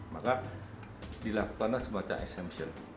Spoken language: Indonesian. maka dilakukanlah semacam exemption